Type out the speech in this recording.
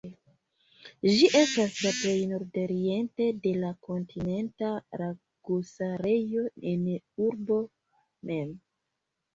Ĝi estas plej nordoriente de la Kontinenta Lagosareo en la urbo mem.